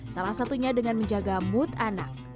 salah satunya dengan menjaga mood anak